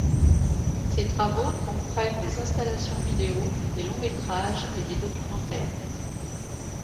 Ses travaux comprennent des installations vidéo, des longs-métrages et des documentaires.